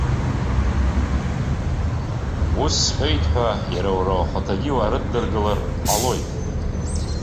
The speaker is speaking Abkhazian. Ус сҳәеит ҳәа, иара уара ухаҭагьы уаарыддыргылар ҟалоит.